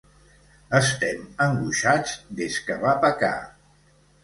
Estem angoixats des que va pecar.